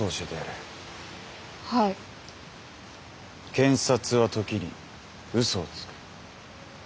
検察は時にうそをつく。